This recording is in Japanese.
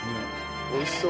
おいしそう。